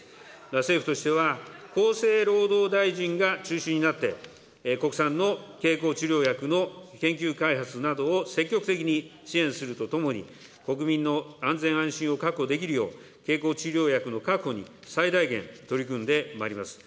政府としては、厚生労働大臣が中心になって、国産の経口治療薬の研究開発などを積極的に支援するとともに、国民の安全・安心を確保できるよう、経口治療薬の確保に最大限取り組んでまいります。